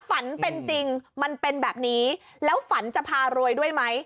ฝันเป็นจริงมันเป็นแบบนี้แล้วฝันจะพารวยด้วยไหม